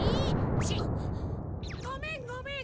チッ！ごめんごめん！